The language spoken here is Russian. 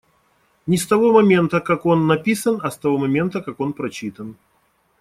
Не с того момента как он написан, а с того момента, как он прочитан.